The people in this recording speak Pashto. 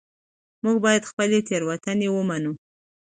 موږ باید خپلې تېروتنې ومنو